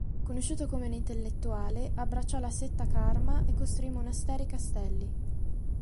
Conosciuto come un intellettuale abbracciò la setta Karma e costruì monasteri e castelli.